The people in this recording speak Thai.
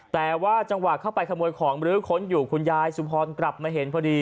แต่ว่าจังหวะเข้าไปขโมยของมรื้อค้นอยู่คุณยายสุพรกลับมาเห็นพอดี